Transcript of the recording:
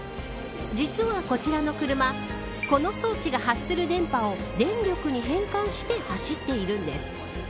実は、こちらの車この装置が発する電波を電力に変換して走っているんです。